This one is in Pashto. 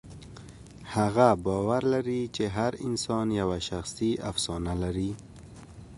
هغه باور لري چې هر انسان یوه شخصي افسانه لري.